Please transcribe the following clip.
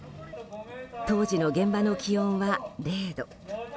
当時の現場の気温は０度。